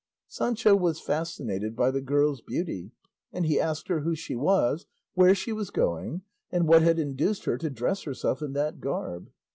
Sancho was fascinated by the girl's beauty, and he asked her who she was, where she was going, and what had induced her to dress herself in that garb.